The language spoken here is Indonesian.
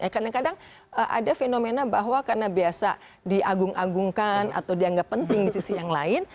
kadang kadang ada fenomena bahwa karena biasa diagung agungkan atau dianggap penting di sisi yang lain